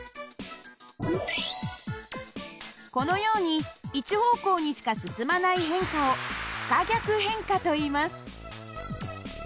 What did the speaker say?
このように一方向にしか進まない変化を不可逆変化といいます。